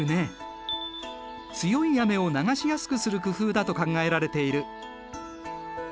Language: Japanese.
強い雨を流しやすくする工夫だと考えられている。